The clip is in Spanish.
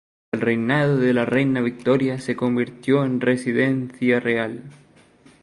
Durante el reinado de la reina Victoria se convirtió en residencia real.